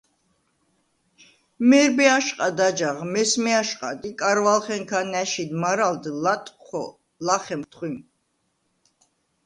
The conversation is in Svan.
მერბე აშყად აჯაღ, მესმე აშყად ი კარავალხენქა ნა̈შიდ მარალდ ლატვხო ლახემხ თხვიმ.